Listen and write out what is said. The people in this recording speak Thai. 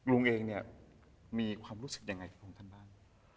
ลุงเองเนี่ยมีความรู้สึกยังไงกับองค์ท่านบ้าง